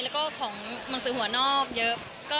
แล้วก็ของหนังสือหัวนอกเยอะ